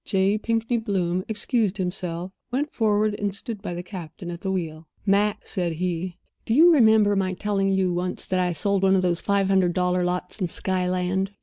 J. Pinkney Bloom excused himself, went forward, and stood by the captain at the wheel. "Mac," said he, "do you remember my telling you once that I sold one of those five hundred dollar lots in Skyland?"